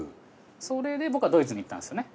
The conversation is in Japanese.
それで僕はドイツに行ったんですね。